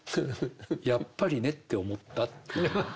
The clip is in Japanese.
やっぱりねって思った」っていう。